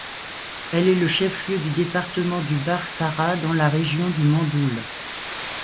Elle est le chef-lieu du département du Barh Sara dans la région du Mandoul.